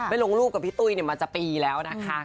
ไปลงรูปกับพี่ตุ้ยเนี่ยมันจะปีแล้วนะคะ